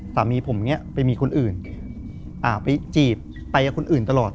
สามีผมเนี่ยไปมีคนอื่นไปจีบไปกับคนอื่นตลอด